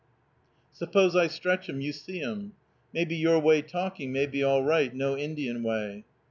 Suppose I stretch 'em, you see 'em. May be your way talking, may be all right, no Indian way."